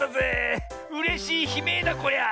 うれしいひめいだこりゃ。